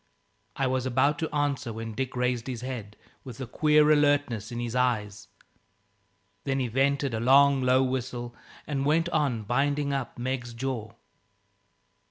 I was about to answer when Dick raised his head, with a queer alertness in his eyes. Then he vented a long, low whistle, and went on binding up Meg's jaw.